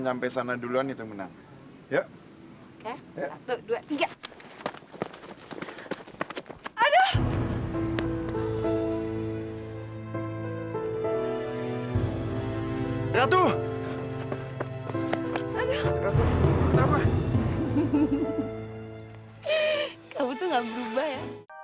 kamu tuh gak berubah ya